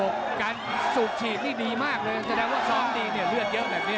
ออกเยอะระบบสูบฉีกเห็นดีมากเลยแสดงว่าสองทีเนี่ยเหลือเยอะแบบนี้